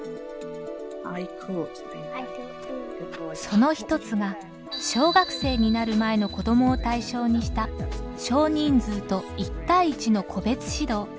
その一つが小学生になる前の子どもを対象にした少人数と一対一の個別指導。